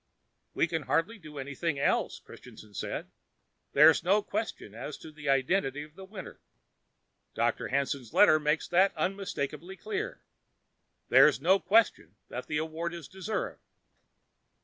"We can hardly do anything else," Christianson said. "There's no question as to the identity of the winner. Dr. Hanson's letter makes that unmistakably clear. And there's no question that the award is deserved."